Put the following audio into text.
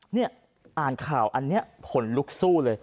นี่อ่านข่าวอันนี้ผลลุกสู้เลย